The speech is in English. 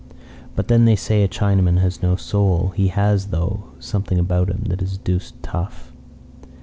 But then they say a Chinaman has no soul. He has, though, something about him that is deuced tough.